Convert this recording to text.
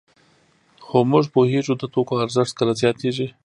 خو موږ پوهېږو د توکو ارزښت کله زیاتېږي